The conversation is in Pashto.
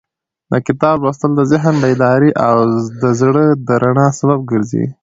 د کتاب لوستل د ذهن د بیدارۍ او د زړه د رڼا سبب ګرځي.